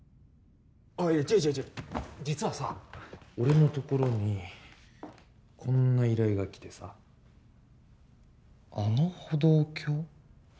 違う違う違う実はさ俺のところにこんな依頼が来てさ「あの歩道橋」？